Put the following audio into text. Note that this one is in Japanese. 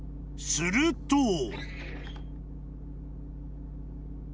［すると］